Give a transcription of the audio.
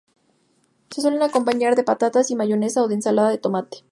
Se suele acompañar de patatas y mayonesa o de ensalada de tomate.